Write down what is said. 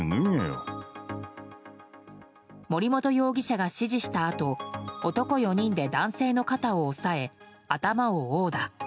森本容疑者が指示したあと男４人で男性の肩を押さえ頭を殴打。